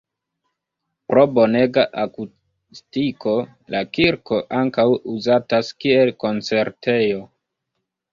Pro bonega akustiko la kirko ankaŭ uzatas kiel koncertejo.